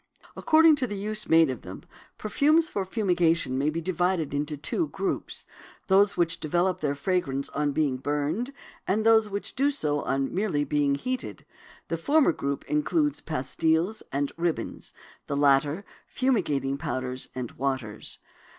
According to the use made of them, perfumes for fumigation may be divided into two groups: those which develop their fragrance on being burned, and those which do so on being merely heated. The former group includes pastils and ribbons, the latter fumigating powders and waters.